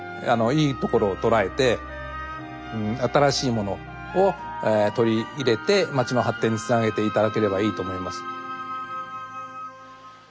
いいところを捉えて新しいものを取り入れて街の発展につなげて頂ければいいと思います。